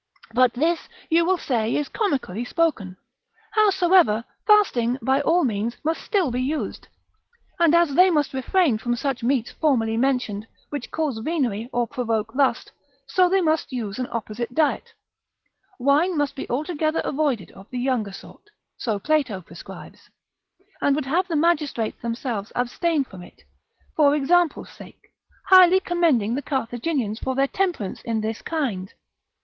But this, you will say, is comically spoken. Howsoever, fasting, by all means, must be still used; and as they must refrain from such meats formerly mentioned, which cause venery, or provoke lust, so they must use an opposite diet. Wine must be altogether avoided of the younger sort. So Plato prescribes, and would have the magistrates themselves abstain from it, for example's sake, highly commending the Carthaginians for their temperance in this kind.